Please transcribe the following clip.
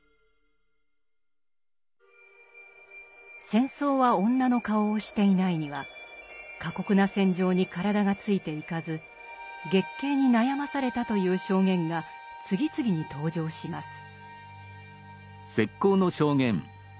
「戦争は女の顔をしていない」には過酷な戦場に体がついていかず月経に悩まされたという証言が次々に登場します。